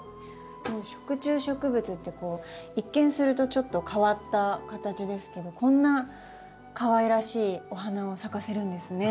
食虫植物ってこう一見するとちょっと変わった形ですけどこんなかわいらしいお花を咲かせるんですね。